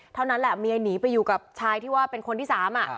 เท่านั้นแหละเมียหนีไปอยู่กับชายที่ว่าเป็นคนที่สาม